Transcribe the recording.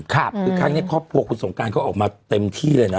คือครั้งนี้ครอบครัวคุณสงการเขาออกมาเต็มที่เลยนะ